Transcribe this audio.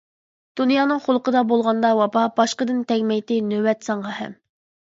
دۇنيانىڭ خۇلقىدا بولغاندا ۋاپا، باشقىدىن تەگمەيتتى نۆۋەت ساڭا ھەم.